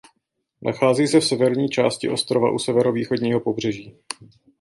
Nachází se v severní části ostrova u severovýchodního pobřeží.